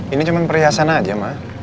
ini cuma perhiasan aja mah